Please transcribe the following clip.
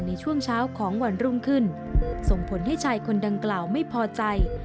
ในช่วงเช้าของวันรุ่งขึ้นส่งผลให้ชายคนดังกล่าวไม่พอใจ